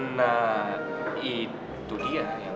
nah itu dia